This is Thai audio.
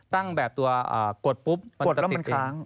ตั้งแบบตัวกดปุ๊บกดแล้วติดค้าง